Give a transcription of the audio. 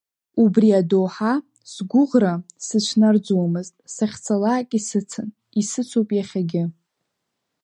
Убри адоуҳа сгәыӷра сыцәнарӡуамызт, сахьцалак исыцын, исыцуп иахьагьы.